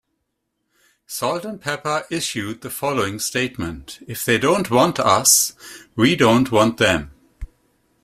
Salt-n-Pepa issued the following statement: If they don't want us, we don't want them.